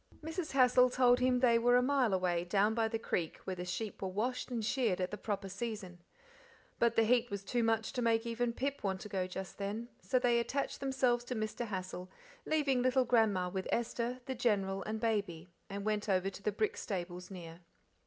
Mrs. Hassal told him they were a mile away, down by the creek, where the sheep were washed and sheared at the proper season. But the heat was too much to make even Pip want to go just then, so they attached themselves to Mr. Hassal, leaving little grandma with Esther, the General, and Baby, and went over to the brick stables near.